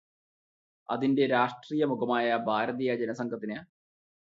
അതിന്റെ രാഷ്ട്രീയമുഖമായ ഭാരതീയ ജനസംഘത്തിന്